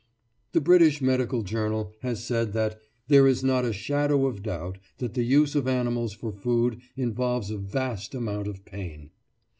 The British Medical Journal has said that "there is not a shadow of doubt that the use of animals for food involves a vast amount of pain."